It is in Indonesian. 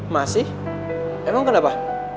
masih emang kenapa